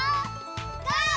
ゴー！